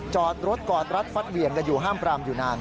จอดรถกอดรัดฟัดเหวี่ยงกันอยู่ห้ามปรามอยู่นาน